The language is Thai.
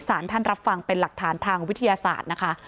สารท่านรับฟังเป็นหลักฐานทางวิทยาศาสตร์นะคะ